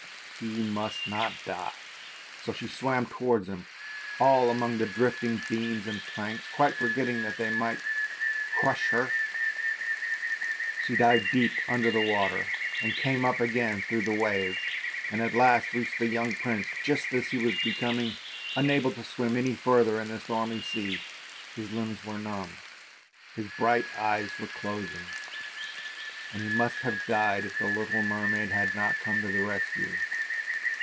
he must not die; so she swam towards him all among the drifting beams and planks, quite forgetting that they might crush her. She dived deep down under the water, and came up again through the waves, and at last reached the young prince just as he was becoming unable to swim any further in the stormy sea. His limbs were numbed, his beautiful eyes were closing, and he must have died if the little mermaid had not come to the rescue.